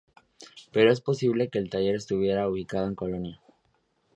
Pero es posible que el taller estuviera ubicado en Colonia.